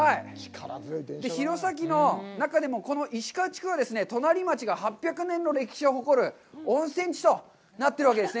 弘前の中でも、この石川地区は、隣町が８００年の歴史を誇る温泉地となってるわけですね。